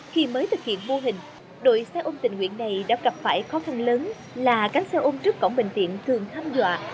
khi mới thực hiện mô hình đội xe ôm tình nguyện này đã gặp phải khó khăn lớn là cánh xe ôm trước cổng bệnh viện thường thăm dò